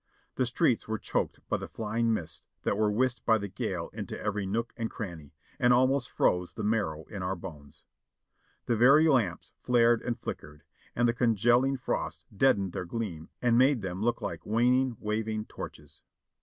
The streets were choked by the flying mists that were whisked by the gale into every nook and cranny, and almost froze the marrow in our bones. The very lamps flared and flickered, and the congealing frost deadened their gleam and made them look like waning, waving torches.